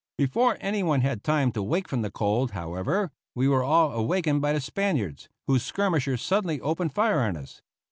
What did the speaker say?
Before anyone had time to wake from the cold, however, we were all awakened by the Spaniards, whose skirmishers suddenly opened fire on us.